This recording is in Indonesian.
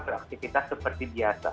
beraktifitas seperti biasa